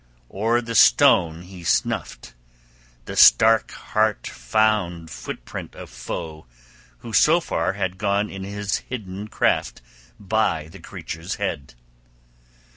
O'er the stone he snuffed. The stark heart found footprint of foe who so far had gone in his hidden craft by the creature's head.